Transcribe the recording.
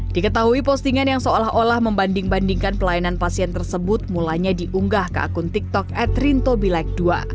diketahui postingan yang seolah olah membanding bandingkan pelayanan pasien tersebut mulanya diunggah ke akun tiktok at rintobileg dua